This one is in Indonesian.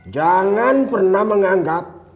jangan pernah menganggap